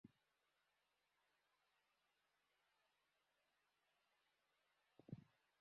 নোয়াখালীতে পৃথক মামলায় সাজাপ্রাপ্ত তিন পলাতক আসামিকে গ্রেপ্তার করেছে সুধারাম থানার পুলিশ।